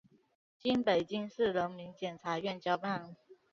经北京市人民检察院交办